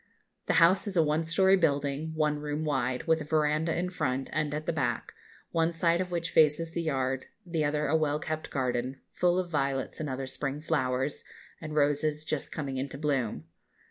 The house is a one story building, one room wide, with a verandah in front and at the back, one side of which faces the yard, the other a well kept garden, full of violets and other spring flowers, and roses just coming into bloom.